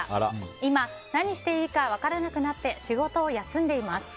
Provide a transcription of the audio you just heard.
今、何をしていいか分からなくなって仕事を休んでいます。